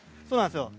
そうなんです。